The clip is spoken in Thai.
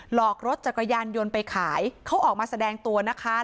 หลอกรถจักรยานยนต์ไปขายเขาออกมาแสดงตัวนะคะ